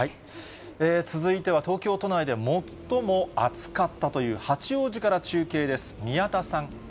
続いては東京都内で最も暑かったという八王子から中継です。